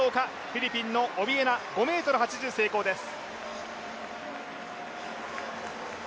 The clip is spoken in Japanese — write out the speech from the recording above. フィリピンのオビエナ、５ｍ８０成功です。